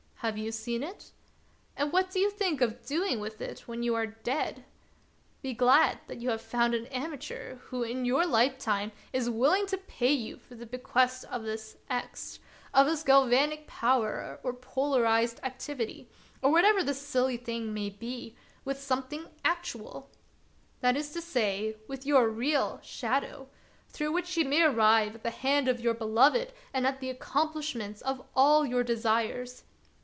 Have you ever seen it? And what do you think of doing with it when you are dead ? Be glad that you have found an amateur who in your life time is willing to pay you for the bequest of this X, of this galvanic power, or polarized activity, or whatever this silly thing may be, with some thing actual ; that is to say, with your real shadow, through which you may arrive at the hand of your beloved and at the accomplishment of all your desires.